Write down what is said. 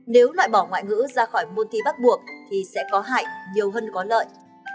nếu loại bỏ ngoại ngữ ra khỏi môn thi bắt buộc thì sẽ có hại nhiều hơn có lợi